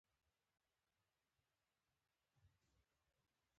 رڼا، رڼې اوبه، يو ګڼل، مشواڼۍ، مشواڼې، مڼه، هندواڼه،